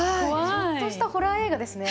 ちょっとしたホラー映画ですね。